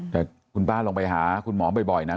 แต่คุณป้าลองไปหาคุณหมอบ่อยนะ